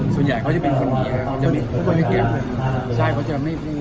ส่วนใหญ่ก็จะเป็นคนมีครับ